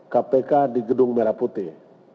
kpk di gedung merah putih